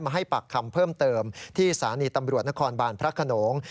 ให้ปากคำเพิ่มเติมที่สถานีตำรวจนครบานพระขนง